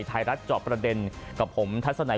ไทรรัฐจอประเด็นครับผมทัชสเนย